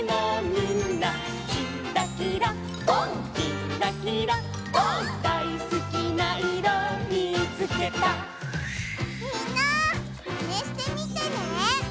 みんなまねしてみてね。